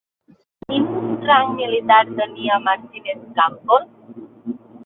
Quin rang militar tenia Martínez-Campos?